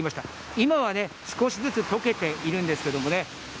今は少しずつ解けているんですけどね。